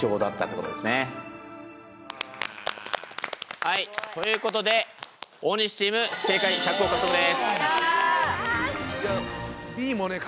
はいということで大西チーム正解１００ほぉ獲得です。